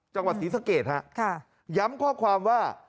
จังหวัดศรีสะเกดฮะย้ำข้อความว่า